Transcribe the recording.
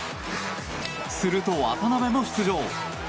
すると渡邊も出場。